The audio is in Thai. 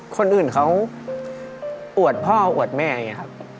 คนอื่นเขาอวดพ่ออวดแม่อย่างนี้ครับ